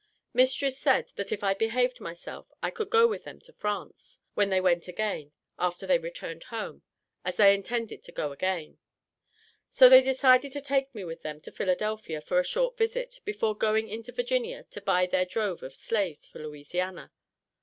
Mistress said, that if I behaved myself I could go with them to France, when they went again, after they returned home as they intended to go again. "So they decided to take me with them to Philadelphia, for a short visit, before going into Virginia to buy up their drove of slaves for Louisiana.